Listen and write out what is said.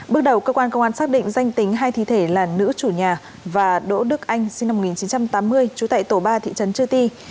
bước đầu cơ quan công an xác định danh tính hai thi thể là nữ chủ nhà và đỗ đức anh sinh năm một nghìn chín trăm tám mươi trú tại tổ ba thị trấn chư ti